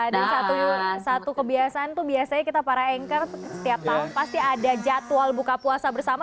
dan satu kebiasaan tuh biasanya kita para anchor setiap tahun pasti ada jadwal buka puasa bersama